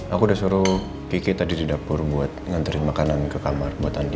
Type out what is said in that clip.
aku udah suruh pikit tadi di dapur buat nganterin makanan ke kamar buat anda